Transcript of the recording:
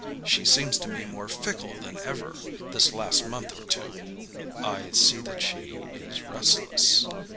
"She seems to me more fickle than ever, this last month or two." "I see that she is restless."